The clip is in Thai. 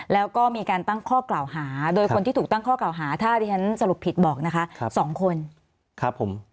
แล้วก็มีการตั้งข้อกล่าวหาโดยคนที่ถูกตั้งข้อกล่าวหาถ้าที่ฉันสรุปผิดบอกนะคะ๒คนครับผม